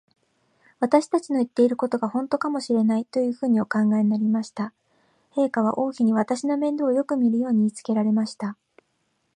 私たちの言ってることが、ほんとかもしれない、というふうにお考えになりました。陛下は王妃に、私の面倒をよくみるように言いつけられました。